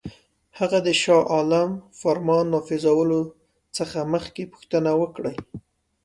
هغه د شاه عالم فرمان نافذولو څخه مخکي پوښتنه وکړي.